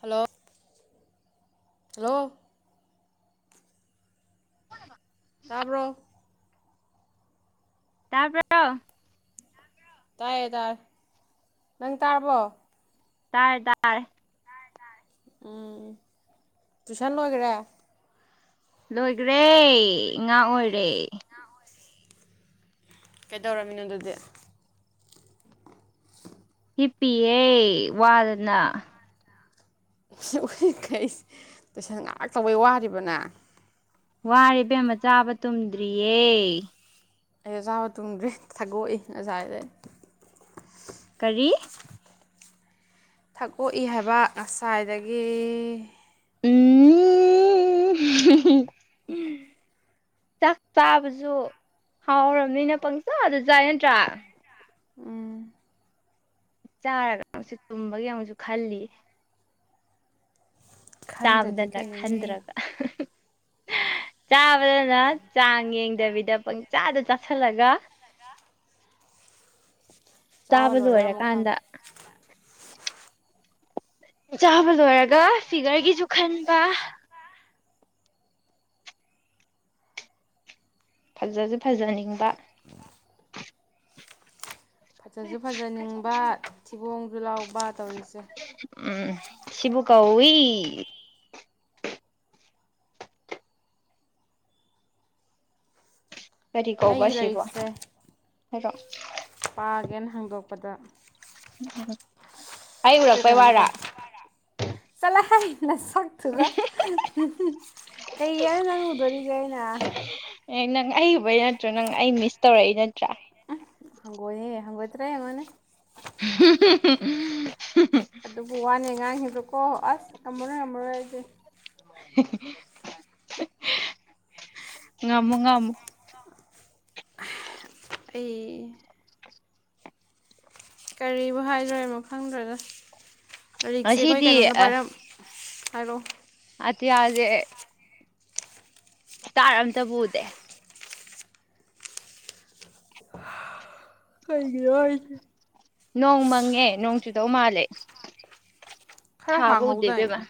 hello hello ꯍꯅꯃ ꯇꯥꯄ ꯇꯄ ꯇꯥꯏꯌꯦ ꯇꯥꯏ ꯅꯪ ꯇꯥꯔꯕꯣ ꯇꯔ ꯇꯔ ꯎꯝ ꯇꯨꯏꯁꯟ ꯂꯣꯏꯈꯔꯦ ꯂꯣꯏꯈ꯭ꯔꯦ ꯉꯥ ꯑꯣꯏꯔꯦ ꯀꯩꯗꯧꯔꯝꯃꯤꯅꯣ ꯑꯗꯨꯗꯤ ꯇꯄꯤꯦ ꯋꯥꯗꯅ ꯈꯩ ꯇꯨꯏꯁꯟ ꯉꯥꯏꯍꯥꯛꯇꯧꯕꯩ ꯋꯥꯔꯤꯕꯅ ꯋꯥꯔꯤꯕꯦꯝꯃ ꯆꯥꯕ ꯇꯨꯝꯗ꯭ꯔꯤꯌꯦ ꯑꯩ ꯑꯆꯥꯥꯕ ꯇꯣꯡꯗ꯭ꯔꯦ ꯊꯥꯗꯣꯛꯏ ꯑꯖꯥꯗ ꯑꯩ ꯀꯔꯤ ꯊꯥꯀꯣꯛꯏ ꯍꯥꯏꯕ ꯑꯁ ꯁꯥꯏꯗꯒꯤ ꯎꯝ ꯆꯥꯛ ꯆꯥꯕꯁꯨ ꯍꯥꯎꯔꯕꯅꯤꯅ ꯄꯪꯆꯥꯥꯗ ꯆꯥꯏ ꯅꯠꯇ꯭ꯔꯥ ꯎꯝ ꯆꯥꯔꯒ ꯑꯃꯨꯛꯁꯨ ꯇꯨꯝꯕꯒꯤ ꯑꯃꯨꯛꯁꯨ ꯈꯜꯂꯤ ꯈꯟꯗ꯭ꯔꯗꯤ ꯇꯕꯗꯅ ꯀꯩꯅꯣꯅꯦ ꯈꯟꯗ꯭ꯔꯒ ꯆꯥꯕꯗꯅ ꯆꯥꯡ ꯌꯦꯡꯗꯕꯤꯗ ꯄꯪꯆꯥꯥꯗ ꯆꯥꯥꯁꯜꯂꯒ ꯆꯥꯕ ꯆꯥꯕꯗ ꯂꯣꯏꯔ ꯑꯃꯨꯛ ꯈꯝ ꯑꯣꯏꯔꯀꯥꯟꯗ ꯆꯥꯕ ꯂꯣꯏꯔꯒ ꯐꯤꯒꯔꯒꯤꯁꯨ ꯈꯟꯕ ꯐꯖꯁꯦ ꯐꯖꯅꯤꯡꯕ [unintelligible] ꯐꯖꯁꯨ ꯐꯖꯅꯤꯡꯕ ꯊꯤꯕꯣꯡꯁꯨ ꯂꯥꯎꯕ ꯇꯧꯔꯤꯁꯦ ꯎꯝ ꯁꯤꯕ ꯀꯧꯏꯤ ꯀꯔꯤ ꯀꯣꯕ ꯑꯩꯒꯤ ꯁꯤꯕ ꯂꯥꯏꯔꯤꯛꯁꯦ ꯍꯥꯏꯔꯣ ꯄꯥꯒꯦꯅ ꯍꯥꯡꯗꯣꯛꯄꯗ ꯎꯝ ꯈꯣꯏ ꯀꯩꯅꯣꯅ ꯄ ꯆꯂ ꯍꯥꯏ ꯅ ꯁꯛꯇꯨꯒ ꯀꯩ ꯍꯥꯏ ꯆꯪꯉꯨꯗꯣꯔꯤꯒꯦ ꯑꯩꯅ ꯑꯦ ꯅꯪ ꯑꯩ ꯎꯕꯩ ꯅꯠꯇ꯭ꯔꯣ ꯅꯪ ꯑꯩ ꯃꯤꯁ ꯇꯧꯔꯛꯏ ꯅꯠꯇ꯭ꯔꯥ ꯍꯪꯒꯣꯏꯅꯦꯍꯦ ꯍꯪꯒꯣꯏꯇ꯭ꯔꯥ ꯌꯦꯡꯉꯣꯅꯦ [unintelligible] ꯑꯗꯨꯕꯨ ꯋꯥꯅꯤ ꯑꯉꯥꯡꯁꯤꯡꯗ ꯍꯣꯏ ꯍꯣ ꯑꯁ ꯉꯝꯃꯔꯣꯏ ꯉꯝꯃꯔꯣꯏ ꯑꯩꯁꯦ ꯉꯃ ꯉꯃ ꯇꯦ ꯀꯔꯤꯕꯨ ꯍꯥꯏꯗꯣꯣꯏꯅꯣ ꯈꯪꯗ꯭ꯔꯒ ꯂꯥꯏꯔꯤꯛꯁꯦ ꯑꯩꯈꯣꯏ ꯉꯁꯤꯗꯤ ꯀꯩꯅꯣꯅ ꯄꯥꯏꯔꯝ ꯑꯣ ꯑꯗꯤ ꯍꯥꯏꯗꯦ ꯇꯥꯔ ꯑꯝꯇ ꯄꯨꯗꯦ ꯀꯩꯒ ꯍꯥꯏ ꯅꯣꯡ ꯃꯪꯉꯦ ꯅꯣꯡ ꯆꯨꯗꯧ ꯃꯥꯜꯂꯦ ꯈꯔ ꯊꯥꯕꯧꯗꯕ ꯍꯥꯡꯍꯧꯗꯥꯏꯅꯦ ꯃꯥ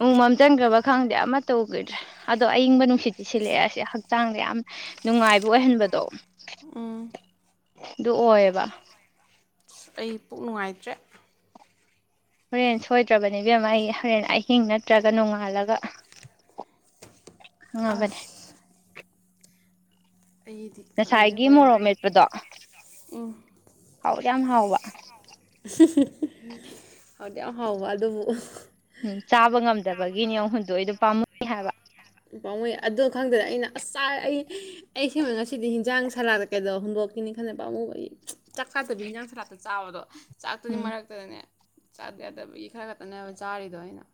ꯎꯅꯨꯡꯃꯝ ꯆꯟꯈ꯭ꯔꯕ ꯈꯪꯗꯦ ꯑꯃ ꯇꯧꯈꯤꯗ꯭ꯔꯦ ꯑꯗꯣ ꯑꯏꯪꯕ ꯅꯨꯡꯁꯤꯠꯇꯤ ꯁꯤꯜꯂꯛꯑꯦꯁꯦ ꯍꯛꯆꯥꯡꯗ ꯌꯥꯝ ꯅꯨꯡꯉꯥꯏꯕ ꯑꯣꯏꯍꯟꯕꯗꯣ ꯎꯝ ꯑꯗꯨ ꯑꯣꯏꯌꯦꯕ ꯑꯁ ꯑꯩ ꯄꯨꯛ ꯅꯨꯡꯉꯥꯏꯇ꯭ꯔꯦ ꯍꯣꯔꯦꯟ ꯁꯣꯏꯗ꯭ꯔꯕꯅꯦꯕꯦꯝ ꯑꯩ ꯍꯣꯔꯦꯟ ꯑꯍꯤꯡ ꯅꯠꯇ꯭ꯔꯒ ꯅꯣꯡꯉꯥꯜꯂꯒ ꯑꯕꯅꯦ ꯑꯁ ꯑꯩꯗꯤ ꯈꯪꯗꯦ ꯉꯁꯥꯏꯒꯤ ꯍꯣꯔꯦꯟ ꯃꯣꯔꯣꯛ ꯃꯦꯠꯄꯗꯣ ꯎꯝ ꯍꯥꯎ ꯌꯥꯝ ꯍꯥꯎꯕ ꯍꯥꯎꯗꯤ ꯌꯥꯝ ꯍꯥꯎꯕ ꯑꯗꯨꯕꯨ ꯎꯝ ꯆꯥꯕ ꯉꯝ ꯐꯗꯕꯒꯤꯅꯦꯅꯤꯨ ꯍꯨꯟꯗꯣꯛ ꯑꯩꯗꯣ ꯄꯥꯝꯃꯨꯏ ꯍꯥꯏꯕ ꯑꯗꯨ ꯈꯪꯗꯅ ꯑꯩꯅ ꯑ ꯑꯩ ꯑꯩꯁꯤꯃꯛ ꯉꯁꯤꯗꯤ ꯍꯤꯟꯖꯥꯡ ꯁꯔꯥꯛꯇ ꯀꯩꯗꯧ ꯍꯨꯟꯗꯣꯛꯀꯅꯤ ꯈꯜꯂꯕ ꯄꯥꯃꯨꯕ ꯑꯩ ꯆꯥꯛ ꯆꯥꯗꯕꯤ ꯍꯤꯟꯖꯥꯡ ꯁꯔꯥꯛꯇ ꯆꯥꯎꯕꯗꯣ ꯆꯥꯛꯇꯨꯒꯤ ꯎꯝ ꯃꯔꯛꯇꯗꯅꯦ ꯆꯥꯗ ꯌꯥꯗꯕꯒꯤ ꯈꯔ ꯈꯛꯇꯅꯦꯕ ꯆꯥꯔꯤꯗꯣ ꯑꯩꯅ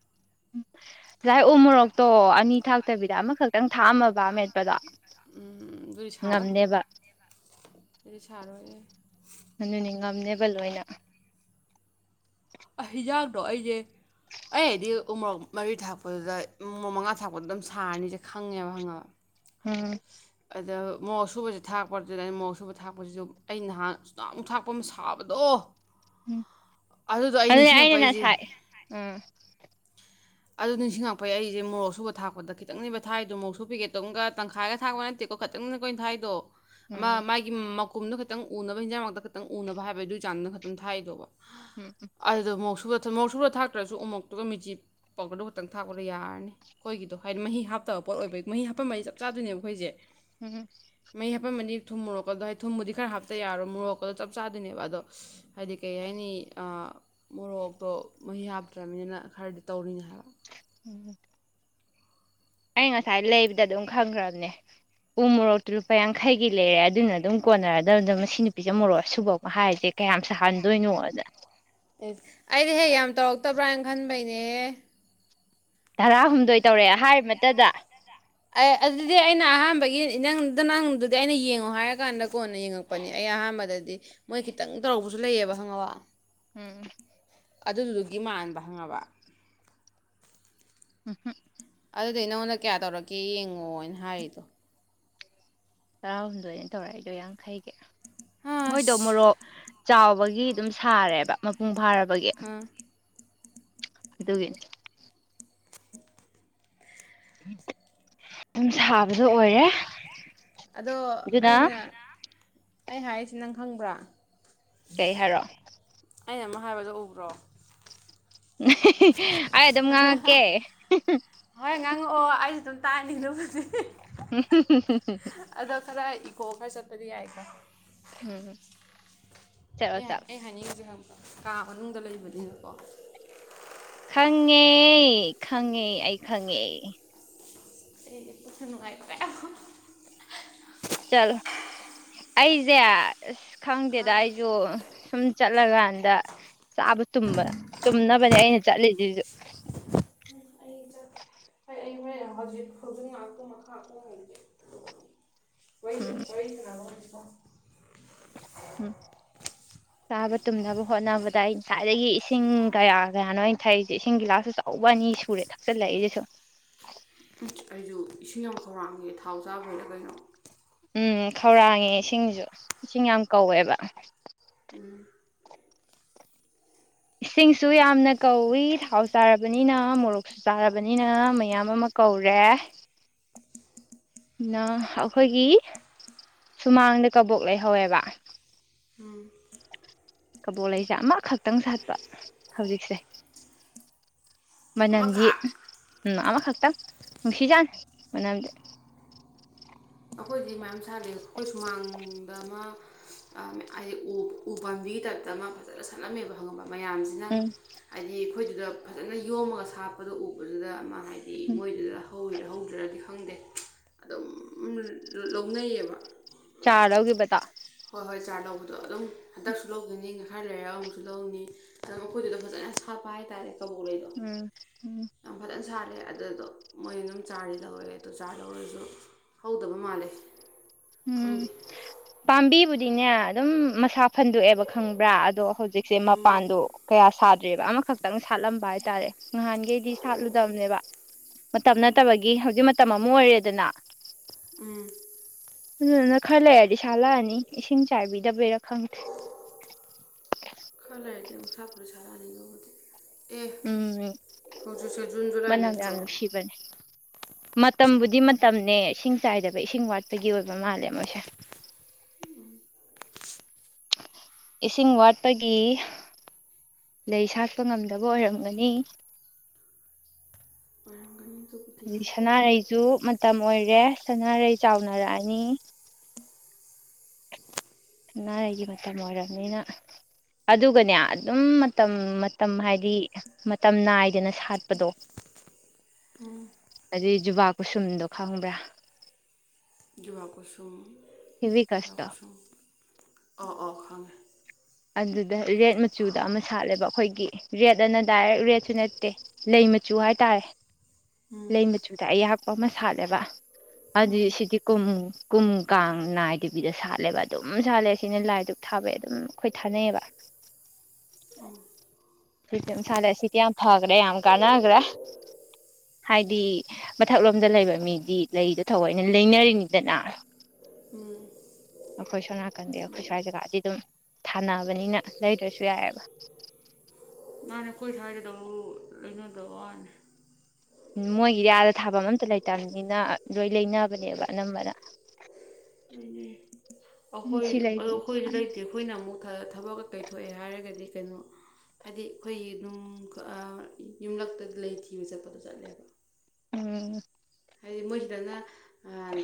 ꯌꯥꯥꯏ ꯎꯃꯣꯔꯛꯛꯇꯣ ꯑꯅꯤ ꯊꯥꯛꯇꯕꯤꯗ ꯑꯃꯈꯛꯇꯪ ꯊꯥꯝꯃ ꯕꯕꯥꯝ ꯎꯝ ꯗꯨꯔꯤ ꯁꯥꯔꯣ ꯗꯔꯤ ꯁꯥꯔꯣ ꯑꯦ ꯑꯗꯨꯅꯤ ꯉꯝꯅꯦꯕ ꯂꯣꯏꯅ ꯑ ꯍꯤꯖꯥꯛꯇꯣ ꯑꯩꯁꯦ ꯑꯩ ꯍꯥꯏꯗꯤ ꯎꯣꯔꯣꯛ ꯃꯔꯤ ꯊꯥꯛꯄꯗꯨꯗ ꯃꯛ ꯃꯉꯥ ꯊꯥꯛꯄꯗꯨꯗ ꯑꯗꯨꯝ ꯁꯥꯔꯅꯤꯁꯦ ꯈꯪꯉꯦꯕ ꯍꯪꯉꯕ ꯎꯝ ꯑꯗ ꯃꯣꯔꯣꯛꯁꯨꯨꯕꯕꯁꯤ ꯊꯥꯛꯄ ꯑꯗꯨꯗ ꯑꯩꯅ ꯃꯣꯔꯣꯛꯁꯨꯨꯕ ꯊꯥꯛꯄꯁꯤꯁꯨ ꯑꯩ ꯅꯍꯥꯟ ꯁꯨ ꯑꯃꯨꯛ ꯊꯥꯛꯄ ꯑꯃ ꯁꯥꯕꯗꯣ ꯎꯝ ꯑꯗꯨꯗꯣ ꯑꯩ ꯑꯗꯨꯅꯦ ꯅꯤꯡꯁꯤꯡꯉꯛꯄ ꯑꯩꯅ ꯅ ꯑꯩꯁꯦ ꯁꯥꯏ ꯎꯝ ꯑꯗꯨ ꯅꯤꯡꯁꯤꯡꯉꯛꯄꯩ ꯑꯩꯁꯦ ꯃꯣꯔꯣꯛ ꯁꯨꯕ ꯊꯥꯛꯄꯗ ꯈꯤꯇꯪꯅꯦꯕ ꯊꯥꯏꯗꯣ ꯃꯣꯔꯣꯛꯁꯨ ꯄꯦꯀꯦꯠꯇꯣꯝꯒ ꯇꯪꯈꯥꯏꯒ ꯊꯥꯛꯄ ꯅꯠꯇꯦꯀꯣ ꯈꯤꯇꯪꯅꯤꯅ ꯀꯣꯏꯅ ꯊꯥꯏꯗꯣ ꯎꯝ ꯃꯥꯒꯤ ꯀꯨꯝꯗꯣ ꯈꯇꯪ ꯎꯅꯕ ꯍꯤꯟꯖꯥꯡꯃꯛꯇ ꯈꯈꯤꯛꯇꯪ ꯎꯅꯕ ꯍꯥꯏꯕꯗꯨ ꯑꯗꯨꯏ ꯆꯥꯟꯅ ꯈꯛꯇꯇ ꯊ ꯍꯥꯏꯗꯣꯕ ꯎꯝ ꯑꯗ ꯃꯧꯁꯨ ꯊꯟꯃꯣꯛ ꯁꯨꯔ ꯊꯥꯛꯇ꯭ꯔꯁꯨ ꯑꯃꯨꯣꯛꯇꯨꯒ ꯃꯤꯆꯞ ꯄꯥꯎꯗꯔꯗꯨ ꯈꯛꯇꯪ ꯊꯥꯛꯄꯗ ꯌꯥꯔꯅꯤ ꯑꯩꯈꯣꯏꯒꯤꯗꯣ ꯍꯥꯏꯗꯤ ꯃꯍꯤ ꯍꯥꯞꯇꯕ ꯄꯣꯠ ꯑꯣꯏꯕꯒꯤ ꯃꯍꯤ ꯍꯥꯞꯄ ꯃꯥ ꯆꯞ ꯆꯥꯗꯣꯏꯅꯦꯕ ꯑꯩꯈꯣꯏꯁꯦ ꯎꯝ ꯃꯩ ꯍꯥꯄ ꯃꯗꯤꯔ ꯊꯨꯝ ꯃꯣꯔꯛ ꯑꯗꯣ ꯍꯥꯏꯗꯤ ꯊꯨꯝꯕꯨꯗꯤ ꯈꯔ ꯍꯥꯞꯇ ꯌꯥꯔꯣꯏ ꯃꯣꯔꯣꯛꯀꯗꯣ ꯆꯞ ꯆꯥꯗꯣꯏꯅꯦꯕ ꯑꯗꯣ ꯍꯥꯏꯗꯤ ꯀꯩ ꯍꯥꯏꯅꯤ ꯃꯣꯔꯣꯛꯇꯣ ꯃꯍꯤ ꯍꯥꯞꯇ꯭ꯔꯅꯤꯅꯤꯅ ꯈꯔꯗꯤ ꯇꯧꯔꯤꯅꯤ ꯍꯥꯏꯕ ꯎꯝ ꯑꯩ ꯉꯁꯥꯏ ꯂꯩꯕꯗ ꯑꯗꯨꯝ ꯈꯪꯈ꯭ꯔꯕꯅꯦ ꯎ ꯃꯣꯔꯣꯛꯇꯨ ꯂꯨꯄꯥ ꯌꯥꯡꯈꯩꯒꯤ ꯂꯩꯔꯦ ꯑꯗꯨꯅ ꯑꯗꯨꯝ ꯀꯣꯟꯅꯔꯗꯕꯗ ꯃꯁꯤ ꯅꯨꯄꯤꯁꯦ ꯃꯣꯔꯣꯛ ꯁꯨꯕꯧꯅ ꯍꯥꯏꯔꯤꯁꯦ ꯀꯌꯥꯝ ꯁꯥꯍꯟꯗꯣꯏꯅꯣꯗ ꯑꯦꯁ ꯑꯩꯗꯤ ꯍꯦꯛ ꯌꯥꯝ ꯇꯧꯔꯛꯇꯕ꯭ꯔꯥ ꯍꯥꯏꯅ ꯈꯟꯕꯩꯅꯦꯍ ꯇꯔꯥꯍꯨꯝꯗꯣꯏ ꯇꯧꯔꯑꯦ ꯍꯥꯏꯔꯤꯕꯃꯇꯗ ꯑꯦ ꯑꯗꯨꯗꯤ ꯑꯩꯅ ꯑꯍꯥꯟꯕꯒꯤ ꯅꯪꯗ ꯅꯪꯗꯨꯗꯤ ꯑꯩꯅ ꯌꯦꯡꯉꯣ ꯍꯥꯏꯔꯀꯥꯟꯗ ꯀꯣꯟꯅ ꯌꯦꯡꯉꯛꯄꯅꯦ ꯑꯩ ꯑꯍꯥꯟꯕꯗꯗꯤ ꯃꯣꯏ ꯈꯤꯇꯪ ꯇꯧꯔꯧꯕꯁꯨ ꯂꯩꯌꯦꯕ ꯈꯪꯉꯕ ꯎꯝ ꯑꯗꯨꯗꯨꯒꯤ ꯃꯥꯟꯕ ꯍꯪꯉꯕ ꯎꯝ ꯍꯝ ꯑꯗꯨꯗꯤ ꯅꯉꯣꯟꯗ ꯀꯌꯥ ꯇꯧꯔꯛꯀꯦ ꯌꯦꯡꯉꯣ ꯍꯥꯏꯅ ꯍꯥꯏꯔꯤꯗꯣ ꯇꯔꯥꯍꯨꯝꯗꯣꯏ ꯑꯩꯅ ꯇꯧꯔꯛꯏꯗꯣ ꯌꯥꯡꯈꯩꯒꯤ ꯃꯣꯏꯗꯣ ꯑꯁ ꯃꯣꯔꯣꯛ ꯆꯥꯎꯕꯒꯤ ꯑꯗꯨꯝ ꯁꯥꯔꯦꯕ ꯃꯄꯨꯡ ꯐꯥꯔꯕ ꯒꯤ ꯑꯥ ꯑꯗꯨꯒꯤ ꯑꯗꯨꯝ ꯁꯥꯕꯁꯨ ꯑꯣꯏꯔꯦ ꯑꯗꯣ ꯑꯗꯨꯅ ꯑꯩꯅ ꯑꯩ ꯍꯥꯏꯔꯤꯁꯤ ꯅꯪ ꯈꯪꯕ꯭ꯔꯥ ꯀꯩ ꯍꯥꯏꯔꯣ ꯑꯩꯅ ꯑꯃ ꯍꯥꯏꯕꯗꯣ ꯎꯕ꯭ꯔꯣ ꯑꯩ ꯑꯗꯨꯝ ꯉꯥꯡꯉꯛꯀꯦ ꯇꯥꯏꯅꯤꯡꯗꯁꯦ ꯎꯝ ꯑꯗꯣ ꯈꯗꯥ ꯍꯣ ꯈꯔꯥꯁꯠꯇꯗꯤ ꯌꯥ ꯀ ꯍꯝ ꯑꯩ ꯑꯩ ꯍꯥꯏꯅꯤꯡꯁꯦ ꯍꯪ ꯀꯥ ꯃꯅꯨꯡꯗ ꯂꯩꯕꯅꯤꯅꯀꯣ ꯈꯪꯉꯦ ꯈꯪꯉꯦ ꯑꯩ ꯈꯪꯉꯦ ꯁꯤꯅꯦꯕꯨꯁꯨ ꯅꯨꯡꯉꯥꯏꯕ꯭ꯔꯦꯣ ꯆꯂ ꯑꯩꯁꯦ ꯑꯁ ꯈꯪꯗꯦꯗ ꯑꯩꯁꯨ ꯁꯨꯝ ꯆꯠꯂꯀꯥꯟꯗ ꯆꯥꯕ ꯇꯕ ꯇꯨꯝꯅꯕ ꯃꯅꯤ ꯑꯩꯅ ꯆꯠꯂꯤꯗꯖ ꯍ ꯍꯧꯖꯤ ꯐꯨꯒꯨ ꯃꯈꯥ ꯑꯣꯏꯣꯏꯁ ꯎꯝ ꯑꯣꯏꯍꯤꯁꯨꯅꯥꯣ [unintelligible] ꯎꯝ ꯆꯥꯕ ꯇꯨꯝꯅꯕ ꯍꯣꯠꯅꯕꯗ ꯑꯩ ꯉꯁꯥꯏꯗꯒꯤ ꯏꯁꯤꯡ ꯀꯌꯥ ꯀꯌꯥꯅꯣ ꯑꯩꯅ ꯊꯛꯏꯁꯦ ꯏꯁꯤꯡꯒꯤ ꯒꯤꯂꯥꯁꯁꯨ ꯀ ꯋꯥꯅꯤ ꯁꯨꯔꯦ ꯊꯛꯆꯜꯂꯏꯁꯦꯁꯨ ꯑꯩꯁꯨ ꯏꯁꯤꯡ ꯌꯥꯝ ꯈꯧꯔꯥꯡꯒꯦ ꯊꯥꯎ ꯆꯥꯕꯗ ꯀꯩꯅꯣ ꯎꯝ ꯈꯧꯔꯥꯡꯉꯦ ꯏꯁꯤꯡꯁꯨ ꯏꯁꯤꯡ ꯌꯥꯝ ꯀꯧꯋꯦꯕ ꯎꯝ ꯏꯁꯤꯡꯁꯨ ꯌꯥꯝꯅ ꯀꯧꯏꯤ ꯊꯥꯎ ꯆꯥꯔꯕꯅꯤꯅ ꯃꯣꯔꯣꯛꯁꯨ ꯆꯥꯔꯕꯅꯤꯅ ꯃꯌꯥꯝ ꯑꯃ ꯀꯧꯔꯦ ꯑꯩꯈꯣꯏꯒꯤ ꯁꯨꯃꯥꯡꯗ ꯀꯕꯣꯛ ꯂꯩꯍꯧꯋꯦꯕ ꯎꯝ ꯀꯕꯣꯜ ꯂꯩꯁꯦ ꯑꯃꯈꯛꯇꯪ ꯁꯥꯠꯄ ꯍꯧꯖꯤꯛꯁꯦ ꯃꯅꯝꯗꯤ ꯑꯃꯈꯛ ꯎꯝ ꯑꯃꯈꯛꯇꯪ ꯅꯨꯡꯁꯤꯖꯥꯅ ꯃꯅꯝꯗꯤ ꯑꯟꯏꯟꯇꯦꯜꯂꯤꯖꯦꯕꯜ ꯀꯥꯏꯗꯩ ꯈꯣꯏ ꯁꯨꯃꯥꯡ ꯗ ꯑꯃ ꯑꯝ ꯍꯥꯏꯗꯤ ꯎ ꯎ ꯄꯥꯝꯕꯤꯒꯤ ꯇꯥꯏꯞꯇ ꯑꯃ ꯐꯖꯅ ꯁꯠꯂꯝꯝꯃꯦꯕ ꯈꯪꯉꯕ ꯃꯌꯥꯝꯁꯤꯅ ꯎꯝ ꯍꯥꯏꯗꯤ ꯑꯩꯈꯣꯏꯗꯨꯗ ꯐꯖꯅ ꯌꯣꯝꯃꯒ ꯁꯥꯞꯄꯗꯣ ꯎꯕꯗꯨꯗ ꯑꯃ ꯍꯥꯏꯗꯤ ꯎꯝ ꯃꯣꯏꯗꯨꯗ ꯍꯧꯔꯤꯔꯥ ꯍꯧꯗ꯭ꯔꯤꯔꯥꯗꯤ ꯈꯪꯗꯦ ꯑꯗꯨꯝ ꯂ ꯂꯧꯅꯩꯌꯦꯕ ꯆꯥꯔ ꯂꯧꯒꯤꯕꯗꯣ ꯍꯣꯏ ꯍꯣꯏ ꯆꯥꯔ ꯂꯧꯕꯗꯣ ꯑꯗꯨꯝ ꯍꯟꯗꯛꯁꯨ ꯂꯧꯒꯅꯤ ꯈꯔ ꯂꯩꯔꯒ ꯑꯃꯨꯛꯁꯨ ꯂꯧꯅꯤ ꯑꯗꯣ ꯃꯈꯣꯏꯗꯨꯗ ꯐꯖꯅ ꯁꯥꯠꯄ ꯍꯥꯏꯇꯥꯔꯦ ꯀꯕꯣꯛ ꯂꯩꯩꯗꯣ ꯎꯝ ꯎꯝ ꯌꯥꯝ ꯐꯖꯅ ꯁꯥꯠꯂꯦ ꯑꯗꯨꯗꯣ ꯃꯣꯏ ꯑꯗꯨꯝ ꯆꯥꯔꯗꯤ ꯂꯧꯋꯦ ꯑꯗꯣ ꯆꯥꯔ ꯂꯧꯔꯁꯨ ꯍꯧꯗꯕ ꯃꯥꯜꯂꯦ ꯎꯝ ꯈꯪꯗꯦ ꯄꯥꯝꯕꯤꯕꯨꯗ ꯗꯤꯅꯦ ꯑꯗꯨꯝ ꯃꯁꯥ ꯐꯟꯗꯣꯛꯑꯦꯕ ꯈꯪꯕ꯭ꯔꯥ ꯑꯗꯣ ꯍꯧ ꯍꯧꯖꯤꯛꯁꯦ ꯃꯄꯥꯟꯗꯣ ꯀꯌꯥ ꯁ ꯁꯥꯗ꯭ꯔꯦꯕ ꯑꯃꯈꯛꯇꯪ ꯁꯥꯠꯂꯝꯕ ꯍꯥꯏꯇꯥꯔꯦ ꯅꯍꯥꯟꯒꯩꯗꯤ ꯁꯥꯠꯂꯨꯗꯝꯅꯦꯕ ꯃꯇꯝ ꯅꯠꯇꯕꯒꯤ ꯍꯧꯖꯤꯛ ꯃ ꯃꯇꯝꯝ ꯑꯃ ꯑꯣꯏꯔꯦꯗꯅ ꯎꯝ ꯑꯗꯨꯗꯨꯅ ꯈꯔ ꯂꯩꯔꯗꯤ ꯁꯥꯠꯂꯛꯑꯅꯤ ꯏꯁꯤꯡ ꯆꯥꯏꯕꯤꯗꯕꯩꯔꯥ ꯈꯪꯗꯦ ꯈꯔ ꯂꯩꯔꯗꯤ ꯑꯃꯨꯛ ꯁꯥꯠꯄꯨꯗꯤ ꯁꯥꯠꯂꯛꯑꯅꯤ ꯎꯝ ꯎꯝ ꯖꯨꯟ ꯖꯨꯂꯥꯏ ꯃꯅꯝ ꯌꯥꯝ ꯅꯠꯇ꯭ꯔꯣ ꯅꯨꯡꯁꯤꯕꯅꯦ ꯃꯠ ꯇꯝꯕꯨꯗꯤ ꯃꯇꯝꯅꯦ ꯏꯁꯤꯡ ꯆꯥꯏꯗꯕ ꯏꯁꯤꯡ ꯋꯥꯠꯄꯒꯤ ꯑꯣꯏꯕ ꯃꯥꯜꯂꯦ ꯃꯣꯏꯁꯦ ꯏꯁꯤꯡ ꯋꯥꯠꯄꯒꯤ ꯂꯩ ꯁꯥꯠꯄ ꯉꯝꯗꯕ ꯑꯣꯏꯔꯝꯒꯅꯤ ꯑꯣꯏꯔꯝꯒꯅꯤ ꯑꯗꯨꯕꯨꯗꯤ ꯍꯥꯏꯗꯤ ꯁꯅꯥꯔꯩꯁꯨ ꯃꯇꯝ ꯑꯣꯏꯔꯦ ꯁꯅꯥꯔꯩ ꯆꯥꯎꯅꯔꯛꯑꯅꯤ ꯁꯅꯥꯔꯩꯒꯤ ꯃꯇꯝ ꯑꯣꯏꯔꯕꯅꯤꯅ ꯑꯗꯨꯒꯅꯦ ꯑꯗꯨꯝ ꯃꯇꯝ ꯃꯇꯝ ꯍꯥꯏꯗꯤ ꯃꯇꯝ ꯅꯥꯏꯗꯅ ꯁꯥꯠꯄꯗꯣ ꯑꯗꯨꯏ ꯖꯨꯕꯥ ꯀꯨꯁꯨꯝꯗꯣ ꯈꯪꯕ꯭ꯔꯥ ꯖꯨꯕꯥ ꯀꯨꯁꯨꯝ ꯍꯤꯚꯤ ꯀꯁꯇꯇꯣ ꯑꯣ ꯑꯣ ꯈꯪꯉꯦ ꯑꯗꯨꯗ ꯔꯦꯠ ꯃꯆꯨꯗ ꯑꯃ ꯁꯥꯠꯂꯦꯕ ꯑꯩꯈꯣꯏꯒꯤ ꯔꯦꯠ ꯑꯅ ꯗꯥꯏꯔꯦꯛ ꯔꯦꯠꯁꯨ ꯅꯠꯇꯦ ꯂꯩ ꯃꯆꯨ ꯍꯥꯏꯇꯥꯔꯦ ꯂꯩ ꯃꯆꯨꯗ ꯑꯌꯥꯛꯄ ꯑꯃ ꯁꯥꯠꯂꯦꯕ ꯑꯗꯨ ꯁꯤꯗꯤ ꯀꯨꯝ ꯀꯨꯝ ꯀꯥꯡ ꯅꯥꯏꯗꯕꯤꯗ ꯁꯥꯠꯂꯦꯕ ꯑꯗꯨꯝ ꯁꯥꯠꯂꯦ ꯁꯤꯅ ꯂꯥꯏꯗꯨꯛ ꯊꯥꯕꯩ ꯑꯗꯨꯝ ꯑꯩꯈꯣꯏ ꯊꯥꯅꯩꯌꯦꯕ ꯑꯟꯏꯟꯇꯦꯜꯂꯤꯖꯦꯕꯜ ꯑꯁꯤꯗꯤ ꯌꯥꯝ ꯐꯈ꯭ꯔꯦ ꯌꯥꯝ ꯀꯥꯟꯅꯈ꯭ꯔꯦ ꯍꯥꯏꯗꯤ ꯃꯊꯛꯂꯣꯝꯗ ꯂꯩꯕ ꯃꯤꯗꯤ ꯂꯩꯗꯣ ꯊꯑꯣꯏꯅ ꯂꯩꯅꯔꯤꯅꯤꯗꯅ ꯑꯩꯈꯣꯏ ꯁꯣꯝ ꯅꯥꯀꯟꯗꯤ ꯑꯩꯈꯣꯏ ꯂꯩ ꯁ꯭ꯋꯥꯏ ꯖꯒꯥꯗꯤ ꯑꯗꯨꯝ ꯊꯥꯅꯕꯅꯤꯅ ꯂꯩꯗ꯭ꯔꯁꯨ ꯌꯥꯏꯌꯦꯕ ꯃꯥꯅꯦ ꯀꯣꯏ ꯁꯋꯥꯏꯒꯗꯕꯨ ꯂꯩꯅꯕꯩ ꯋꯥꯅꯦ ꯃꯣꯏꯒꯤꯗꯤ ꯑꯥꯗ ꯊꯥꯕꯝ ꯑꯝꯇ ꯂꯩꯇꯕꯅꯤꯅ ꯂꯣꯏ ꯂꯩꯅꯕꯅꯦꯕ ꯑꯅꯝꯕꯅ ꯂꯩꯅꯩ ꯑꯩꯈꯣꯏ ꯁꯤ ꯑꯗꯨ ꯂꯩ ꯑꯩꯈꯣꯏꯁꯨ ꯂꯩꯇꯦ ꯑꯩꯈꯣꯏꯅ ꯑꯃꯨꯛ ꯊ ꯀꯩꯊꯣꯛꯑꯦ ꯍꯥꯏꯔꯒꯗꯤ ꯀꯩꯅꯣ ꯍꯥꯏꯗꯤ ꯑꯩꯈꯣꯏꯒꯤ ꯅꯨꯡ ꯈ ꯑ ꯌꯨꯝꯂꯛꯇ ꯂꯩ ꯊꯤꯕ ꯆꯠꯄꯗꯣ ꯆꯠꯂꯦꯕ ꯎꯝ ꯍꯥꯏꯗꯤ ꯃꯣꯏꯗꯅ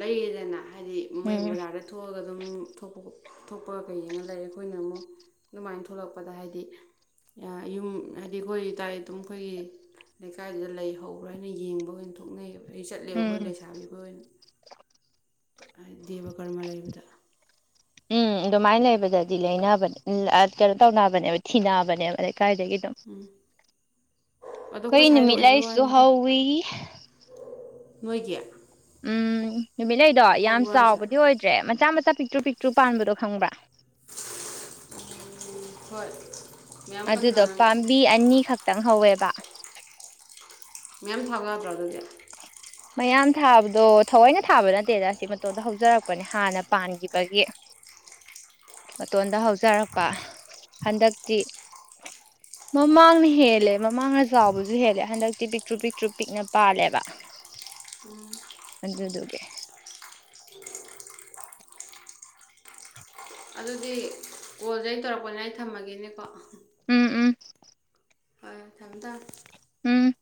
ꯂꯩꯌꯦꯗꯅ ꯍꯥꯏꯗꯤ ꯃꯣꯏ ꯎꯝ ꯕꯖꯥꯔꯗ ꯊꯣꯛꯑꯒ ꯑꯗꯨꯝ ꯊꯣꯛꯄ ꯈꯣꯠꯄ ꯊꯣꯛꯄꯒ ꯀꯩ ꯌꯦꯡꯉꯥ ꯂꯩ ꯑꯩꯈꯣꯏꯅ ꯑꯃꯨꯛ ꯑꯗꯨꯃꯥꯏꯅ ꯊꯣꯛꯂꯛꯄꯗ ꯍꯥꯏꯗꯤ ꯌꯨꯝ ꯍꯥꯏꯗꯤ ꯑꯩꯈꯣꯏꯇꯥꯔ ꯑꯗꯨꯝ ꯑꯩꯈꯣꯏꯒꯤ ꯂꯩꯀꯥꯏꯗꯨꯗ ꯂꯩꯍꯧꯕ꯭ꯔꯥ ꯍꯥꯏꯅ ꯌꯦꯡꯕ ꯑꯣꯏꯅ ꯊꯣꯛꯅꯩꯑꯦꯕ ꯑ ꯆꯠꯂꯦꯕ ꯎꯝ ꯑꯩꯈꯣꯏ ꯂꯩꯁꯥꯕꯤ ꯑꯩꯈꯣꯏ ꯑꯣꯏꯅ ꯗꯦꯕ ꯀꯔꯃ ꯂꯩꯕꯗ ꯎꯝ ꯑꯗꯨꯃꯥꯏꯅ ꯂꯩꯕꯗꯗꯤ ꯂꯩꯅꯕꯅꯦ ꯀꯩꯅꯣ ꯇꯧꯅꯕꯅꯦꯕ ꯊꯤꯅꯕꯅꯦꯕ ꯀꯥꯏꯗꯒꯤꯅꯣ ꯑꯗꯣ ꯑꯩꯈꯣꯏ ꯀꯣꯏꯅ ꯁ꯭ꯋꯥꯏꯗ ꯑꯣꯏꯕꯩ ꯃꯤꯂꯥꯏꯁꯨꯨ ꯋꯥꯅꯤꯗ ꯍꯥꯎ ꯏ ꯃꯣꯏꯒꯤ ꯎꯝ ꯅꯨꯃꯤꯠꯂꯩꯗꯣ ꯌꯥꯝ ꯍꯥꯏꯁꯦ ꯆꯥꯎꯕꯗꯤ ꯑꯣꯏꯗ꯭ꯔꯦ ꯃꯆꯥ ꯃꯆꯥ ꯃꯆꯥ ꯄꯤꯛꯇ꯭ꯔꯨ ꯄꯤꯛꯇ꯭ꯔꯨ ꯄꯥꯟꯕꯗꯣ ꯈꯪꯕ꯭ꯔꯥ ꯍꯣꯏ ꯃꯌꯥꯝ ꯀꯟꯅ ꯑꯗꯨꯗꯣ ꯄꯥꯝꯕꯤ ꯑꯅꯤ ꯈꯛꯇꯪ ꯍꯧꯋꯦꯕ ꯇꯥꯛ ꯃꯦꯝ ꯊꯥꯒꯑꯕ꯭ꯔꯥ ꯑꯗꯨꯗꯤ ꯃꯌꯥꯝ ꯊꯥꯕꯗꯣ ꯊꯑꯣꯏꯅ ꯊꯥꯕ ꯅꯠꯇꯦꯗ ꯁꯤ ꯃꯇꯣꯗ ꯍꯧꯖꯔꯛꯄꯅꯦ ꯍꯥꯟꯅ ꯄꯥꯟꯈꯤꯕꯒꯤ ꯃꯇꯣꯟꯗ ꯍꯧꯖꯔꯛꯄ ꯍꯟꯗꯛꯇꯤ ꯃꯃꯥꯡꯅ ꯍꯦꯜꯂꯦ ꯃꯃꯥꯡꯅ ꯆꯥꯎꯕꯁꯨ ꯍꯦꯜꯂꯦ ꯍꯟꯗꯛꯇꯤ ꯄꯤꯛꯇ꯭ꯔꯨ ꯄꯤꯛꯇ꯭ꯔꯨ ꯄꯤꯛꯅ ꯄꯥꯜꯂꯦꯕ ꯃꯗꯗꯨꯦ ꯑꯗꯨꯗꯤ ꯀꯣꯜꯁꯦ ꯑꯩꯅ ꯇꯧꯔꯛꯄꯅ ꯑꯩ ꯊꯝꯃꯒꯦꯅꯦꯀꯣ ꯎꯝ ꯎꯝ ꯍꯣꯏ ꯊꯝꯃꯦ ꯊ ꯎꯝ